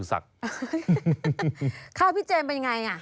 ก็ข้าวมันไก่ไง